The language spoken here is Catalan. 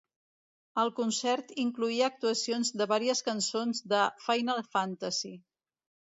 El concert incloïa actuacions de varies cançons de "Final Fantasy".